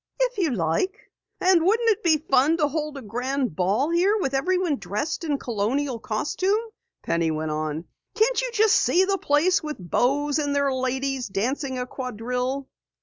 "If you like." "And wouldn't it be fun to hold a grand ball here with everyone dressed in colonial costume!" Penny went on. "Can't you just see the place with beaux and their ladies dancing a quadrille?"